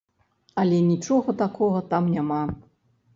Але нічога такога там няма.